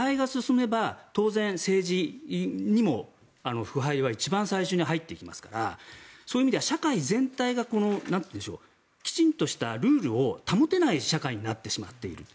その腐敗が進めば当然、政治にも腐敗は一番最初に入ってきますからそういう意味では社会全体がきちんとしたルールを保てない社会になってしまっている。